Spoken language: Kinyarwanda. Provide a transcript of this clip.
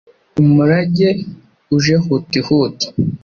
Umurage uje huti huti